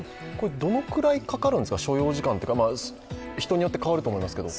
どのくらいかかるんですか、所要時間というか、人によって変わると思いますけど。